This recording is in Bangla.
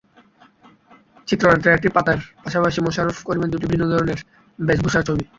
চিত্রনাট্যের একটি পাতার পাশাপাশি মোশাররফ করিমের দুটি ভিন্ন ধরনের বেশভুষার ছবি।